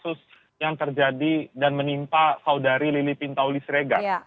kita bisa contoh pada kasus yang terjadi dan menimpa saudari lili pintauli srega